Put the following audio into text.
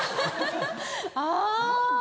ああ。